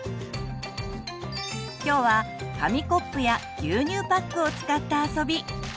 今日は紙コップや牛乳パックを使った遊び。